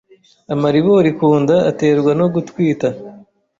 amaribori ku nda aterwa no gutwita